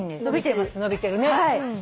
伸びてるね。